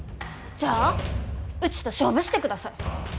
じゃあうちと勝負してください。